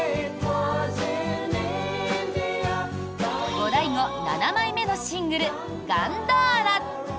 ゴダイゴ７枚目のシングル「ガンダーラ」。